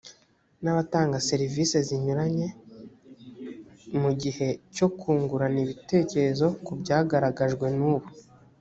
n abatanga serivisi zinyuranye mu gihe cyo kungurana ibitekerezo ku byagaragajwe nubu